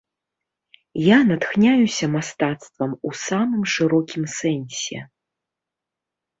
Я натхняюся мастацтвам у самым шырокім сэнсе.